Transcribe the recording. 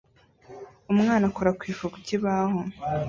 Umwana akora ku ifu ku kibaho